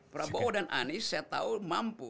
prabowo dan anies saya tahu mampu